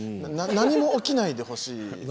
何も起きないでほしいの？